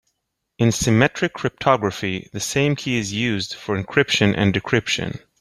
In symmetric cryptography the same key is used for encryption and decryption.